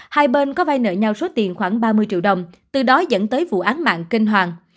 hai bên có vai nợ nhau số tiền khoảng ba mươi triệu đồng từ đó dẫn tới vụ án mạng kinh hoàng